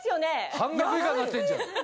半額以下になってんじゃん。